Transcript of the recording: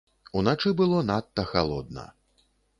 Уначы было надта халодна.